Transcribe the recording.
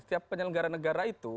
setiap penyelenggara negara itu